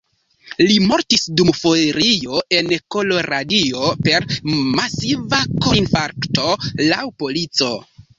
Li mortis dum ferio en Koloradio per masiva korinfarkto, laŭ polico.